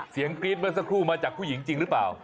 เห็นกรี๊ดบันธุ์สักครู่มาจากผู้หญิงจริงหรือเปล่า